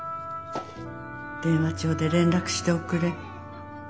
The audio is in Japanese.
電話帳で連絡しておくれ」。